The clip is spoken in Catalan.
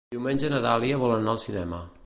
Diumenge na Dàlia vol anar al cinema.